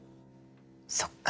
そっか。